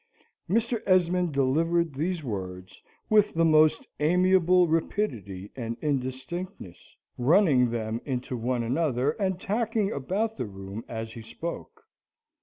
Mr. Esmond delivered these words with the most amiable rapidity and indistinctness, running them into one another, and tacking about the room as he spoke.